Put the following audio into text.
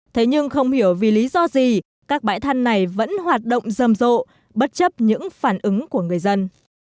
thế nhưng không hiểu vì lý do gì các bãi than này vẫn hoạt động rầm rộ bất chấp những phản ứng của người dân